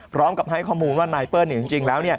พร้อมกับให้ข้อมูลว่านายเปิ้ลจริงแล้ว